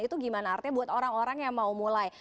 itu gimana artinya buat orang orang yang mau mulai